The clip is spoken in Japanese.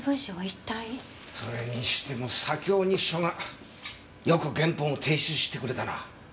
それにしても左京西署がよく原本を提出してくれたな。